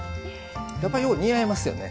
やっぱよう似合いますよね。